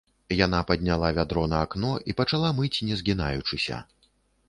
Яна падняла вядро на акно і пачала мыць не згінаючыся.